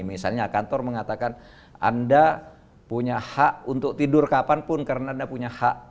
misalnya kantor mengatakan anda punya hak untuk tidur kapanpun karena anda punya hak